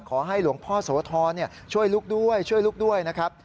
ขอให้หลวงพ่อโสธรช่วยลูกด้วยช่วยลูกด้วยนะครับ